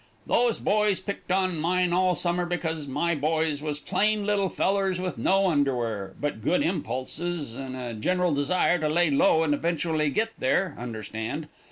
"These boys picked on mine all summer because my boys was plain little fellers with no underwear, but good impulses and a general desire to lay low and eventually git there, understand.